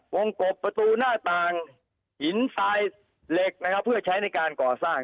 กบประตูหน้าต่างหินทรายเหล็กนะครับเพื่อใช้ในการก่อสร้าง